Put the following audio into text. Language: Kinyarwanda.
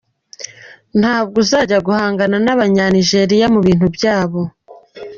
Ntabwo uzajya guhangana n’ Abanyanigeriya mu bintu byabo .